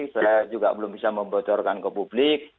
saya juga belum bisa membocorkan ke publik